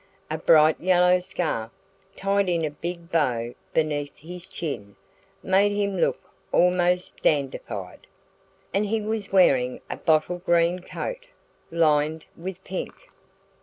A bright yellow scarf, tied in a big bow beneath his chin, made him look almost dandified. And he was wearing a bottle green coat, lined with pink.